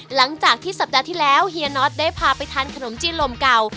หลังจากที่สัปดาห์ที่แล้วเฮียน็อตได้พาไปทานขนมจีนลมเก่า